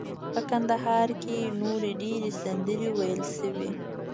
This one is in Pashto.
په کندهار کې نورې ډیرې سندرې ویل شوي.